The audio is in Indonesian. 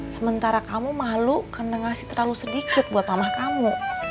sementara kamu malu karena ngasih terlalu sedikit buat mama kamu